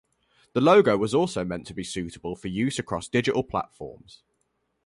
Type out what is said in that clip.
The logo was also meant to be suitable for use across digital platforms.